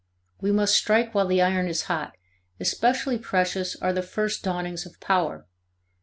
We must strike while the iron is hot. Especially precious are the first dawnings of power.